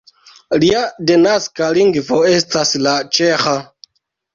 Lia denaska lingvo estas la ĉeĥa.